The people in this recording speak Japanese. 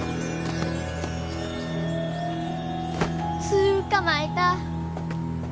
つかまえた！